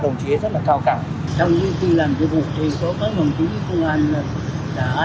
nhưng mà không ai thì là trường tâm